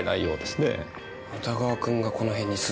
宇田川君がこの辺に住んでる。